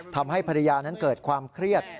ทำให้ภรรยานั้นเกิดความเครียด